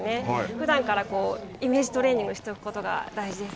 ふだんからイメージトレーニングしておくことが大事です。